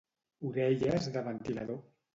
Orelles de ventilador.